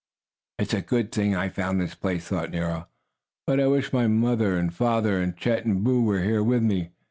"It's a good thing I found this place," thought Nero. "But I wish my father and mother and Chet and Boo were here with me.